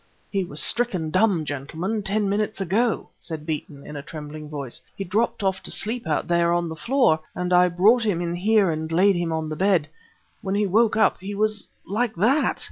"He was stricken dumb, gentlemen, ten minutes ago," said Beeton in a trembling voice. "He dropped off to sleep out there on the floor, and I brought him in here and laid him on the bed. When he woke up he was like that!"